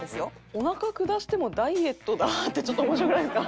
「おなか下してもダイエットだ」ってちょっと面白くないですか？